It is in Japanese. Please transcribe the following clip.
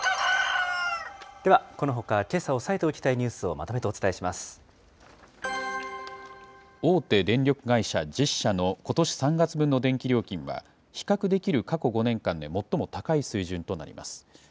では、このほかけさ押さえておきたいニュースをまとめてお伝大手電力会社１０社のことし３月分の電気料金は、比較できる過去５年間で最も高い水準となります。